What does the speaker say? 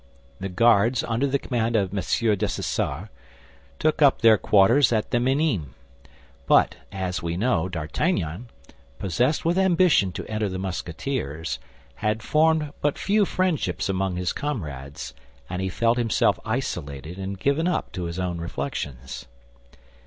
The Guards, under the command of M. Dessessart, took up their quarters at the Minimes; but, as we know, D'Artagnan, possessed with ambition to enter the Musketeers, had formed but few friendships among his comrades, and he felt himself isolated and given up to his own reflections.